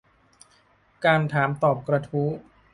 การถามตอบกระทู้